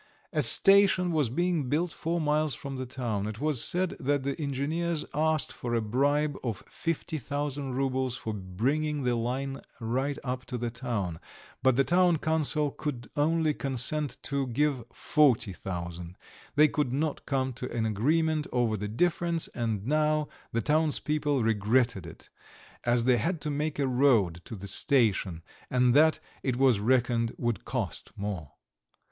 A station was being built four miles from the town. It was said that the engineers asked for a bribe of fifty thousand roubles for bringing the line right up to the town, but the town council would only consent to give forty thousand; they could not come to an agreement over the difference, and now the townspeople regretted it, as they had to make a road to the station and that, it was reckoned, would cost more.